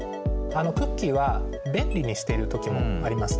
あのクッキーは便利にしてる時もあります。